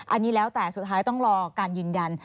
อันนี้แล้วแต่สุดท้ายต้องรอการยืนยัน